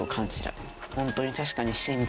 ホントに確かに。